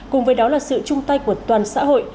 cùng với đó là sự chung tay của toàn xã hội